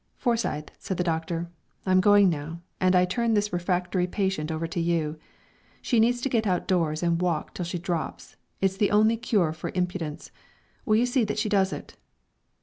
"Forsyth," said the Doctor, "I'm going now, and I turn this refractory patient over to you. She needs to get outdoors and walk till she drops it's the only cure for impudence. Will you see that she does it?"